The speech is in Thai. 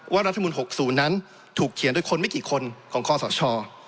ว่ารัฐธรรมนูญ๖๐นั้นถูกเขียนโดยคนไม่กี่คนของข้อสช